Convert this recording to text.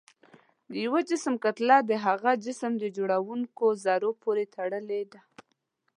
د یو جسم کتله د هغه جسم د جوړوونکو ذرو پورې تړلې ده.